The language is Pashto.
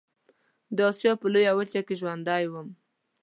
د آسيا په لويه وچه کې ژوند کوم.